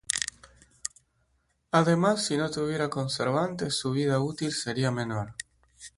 Además si no tuviera conservantes, su vida útil sería menor.